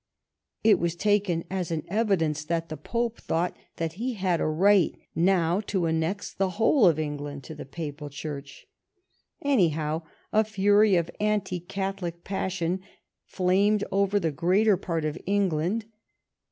It was taken as an evidence that the Pope thought that he had a right now to annex the whole of Eng land to the Papal Church. Anyhow, a fury of anti Catholic passion flamed over the greater part of England.